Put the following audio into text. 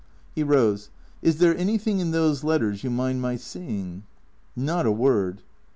He rose. " Is there anything in those letters you mind my seeing ?"" Not a word."